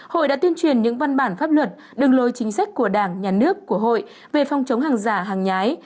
hội đã tuyên truyền những văn bản pháp luật đường lối chính sách của đảng nhà nước của hội về phòng chống hàng giả hàng nhái